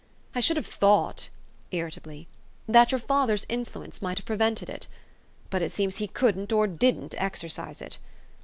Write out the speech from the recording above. I should have thought/' irritably, "that your father's influence fnight have prevented it. But it seems he couldn't or didn't exercise it.